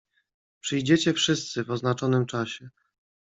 "Przyjdziecie wszyscy w oznaczonym czasie."